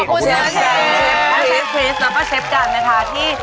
ขอบคุณเชฟเชฟคุณเชฟคริสแล้วก็เชฟกันนะคะที่